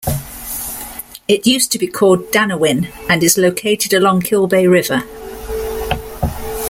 It used to be called Danawin and is located along Kilbay River.